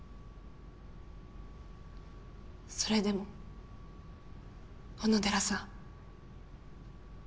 それでも小野寺さん。